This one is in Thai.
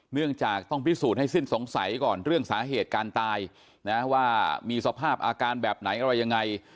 เนื่องจากต้องพิสูจน์ให้สิ้นสงสัยก่อนเรื่องสาเหตุการตายนะว่ามีสภาพอาการแบบไหนอะไรยังไง